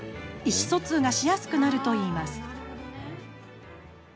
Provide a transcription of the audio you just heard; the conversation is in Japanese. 意思疎通がしやすくなるといいます。